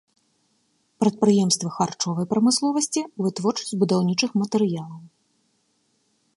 Прадпрыемствы харчовай прамысловасці, вытворчасць будаўнічых матэрыялаў.